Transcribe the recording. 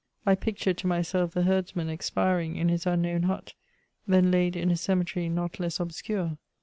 I pictured to myself the herdsman expiring in his unknown hut, then laid in a cemetery not less obscure.